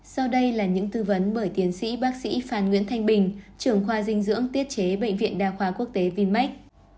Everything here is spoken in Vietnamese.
sau đây là những tư vấn bởi tiến sĩ bác sĩ phan nguyễn thanh bình trưởng khoa dinh dưỡng tiết chế bệnh viện đa khoa quốc tế vinmec